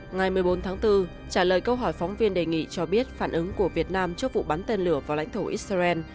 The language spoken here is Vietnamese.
ngày một mươi bốn tháng bốn trả lời câu hỏi phóng viên đề nghị cho biết phản ứng của việt nam trước vụ bắn tên lửa vào lãnh thổ israel